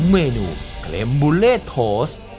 เมนูทิมบูเล่โทสต์